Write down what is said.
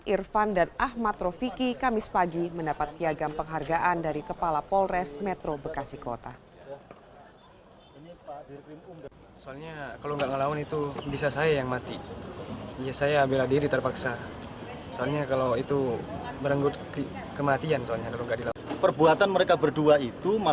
irfan dan ahmad rofiki kamis pagi mendapat piagam penghargaan dari kepala polres metro bekasi kota